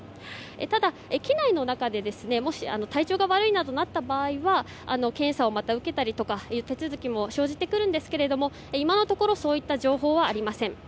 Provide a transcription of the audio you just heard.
ただ、機内の中でもし体調が悪いなとなった場合は検査をまた受けたりという手続きも生じてくるんですが今のところそういった情報はありません。